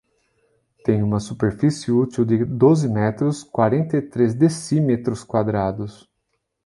Tem uma superfície útil de doze metros, quarenta e três decímetros quadrados.